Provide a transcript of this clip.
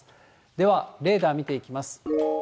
ではレーダー見ていきます。